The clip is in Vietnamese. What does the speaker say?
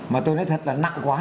mà tôi nói thật là nặng quá